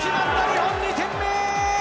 日本、２点目！